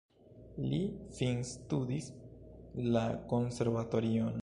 Li finstudis la konservatorion.